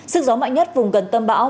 sức gió mạnh nhất vùng gần tâm bão